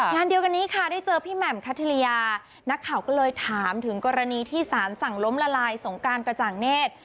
งานเดียวกันนี้ค่ะได้เจอพี่แหม่มคัทริยานักข่าวก็เลยถามถึงกรณีที่สารสั่งล้มละลายสงการกระจ่างเนธ